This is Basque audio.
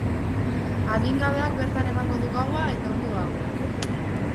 Adingabeak bertan eman du gaua, eta ondo dago.